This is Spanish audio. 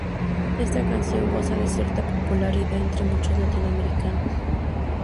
Esta canción goza de cierta popularidad entre muchos latinoamericanos.